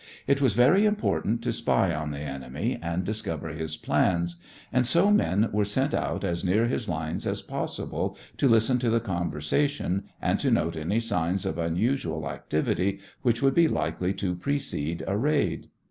It was very important to spy on the enemy and discover his plans, and so men were sent out as near his lines as possible, to listen to the conversation and to note any signs of unusual activity which would be likely to precede a raid.